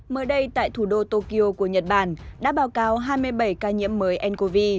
mới đây tại thủ đô tokyo của nhật bản đã báo cáo hai mươi bảy ca nhiễm mới ncov